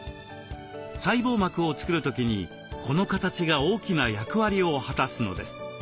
細胞膜を作る時にこの形が大きな役割を果たすのです。